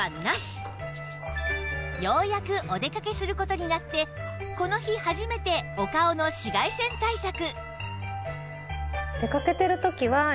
ようやくお出かけする事になってこの日初めてお顔の紫外線対策